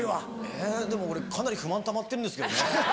えでも俺かなり不満たまってるんですけどね。